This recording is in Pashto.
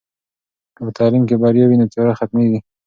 که په تعلیم کې بریا وي، نو تیاره ختمېږي.